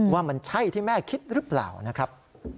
ว่ามันใช่ที่แม่คิดหรือเปล่านะครับ